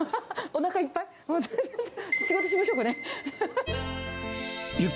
おなかいっぱい？